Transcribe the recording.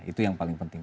itu yang paling penting